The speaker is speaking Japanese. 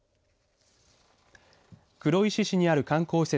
黒石市にある観光施設